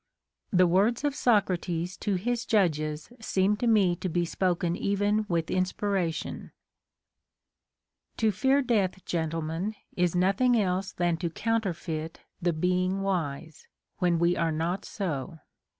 The words of Socrates to his judges seem to me to be spoken even with inspiration :" To fear death, gentlemen, is nothing else than to counterfeit the being wise, when we are not so.